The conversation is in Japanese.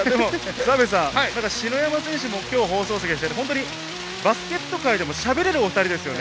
篠山選手も今日放送席でバスケット界でもしゃべれるお２人ですからね。